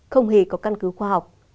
không hề có căn cứ khoa học